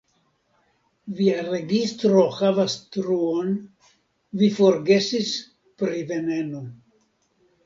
Via registro havas truon: vi forgesis pri veneno.